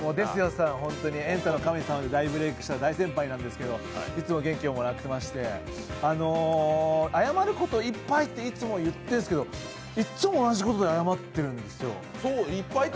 さん、本当に「エンタの神様」でブレークした大先輩なんですけどいつも元気をもらっていまして、謝ることいっぱいっていつも言ってるんですけどいっつも同じことで謝ってるんですよ。